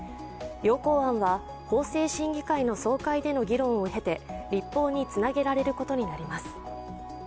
要綱案は法制審議会の総会での議論を経て立法につなげられることになります。